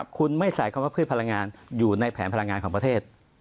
คุณไม่ใส่คำว่าพืชพลังงานอยู่ในแผนพลังงานของประเทศ